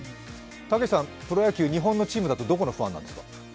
プロ野球、日本のチームだとどこのファンなんですか？